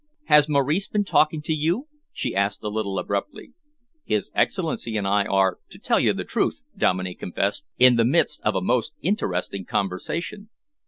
"Has Maurice been talking to you?" she asked a little abruptly. "His Excellency and I are, to tell you the truth," Dominey confessed, "in the midst of a most interesting conversation."